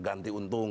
ganti untung katanya